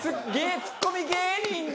ツッコミ芸人で。